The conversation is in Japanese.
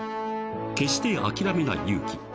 ［決して諦めない勇気］